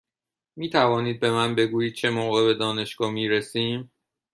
می توانید به من بگویید چه موقع به دانشگاه می رسیم؟